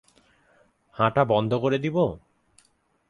হাঁটা বন্ধ করে দিব?